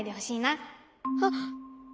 あっ！